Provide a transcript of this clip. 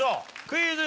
クイズ。